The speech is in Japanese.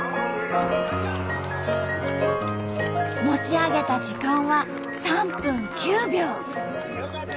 持ち上げた時間は３分９秒。